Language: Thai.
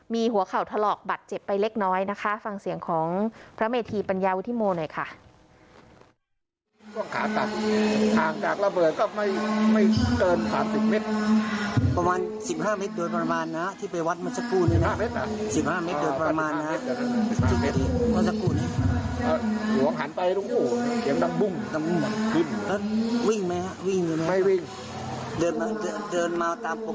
มีหัวเข่าถลอกบัตรเจ็บไปเล็กน้อยนะคะฟังเสียงของพระเมธีปัญญาวุฒิโมหน่อยค่ะ